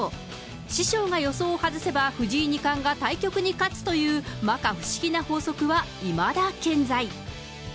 師匠が予想を外せは藤井二冠が対局に勝つという、まか不思議な法則は、いまだ健在。